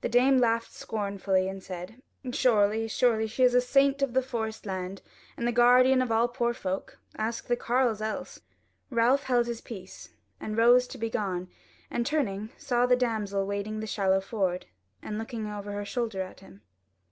The dame laughed scornfully and said: "Surely, surely; she is the saint of the Forest Land, and the guardian of all poor folk. Ask the carles else!" Ralph held his peace, and rose to be gone and turning saw the damsel wading the shallow ford, and looking over her shoulder at him.